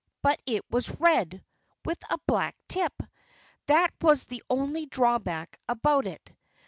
But it was red, with a black tip. That was the only drawback about it.